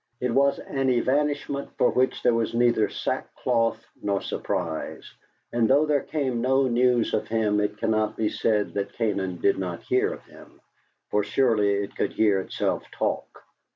It was an evanishment for which there was neither sackcloth nor surprise; and though there came no news of him it cannot be said that Canaan did not hear of him, for surely it could hear itself talk.